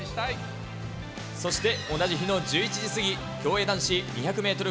そして、同じ日の１１時過ぎ、競泳男子２００メートル